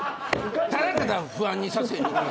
ただただ不安にさせる。